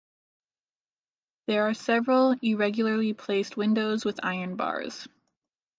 There are several irregularly placed windows with iron bars.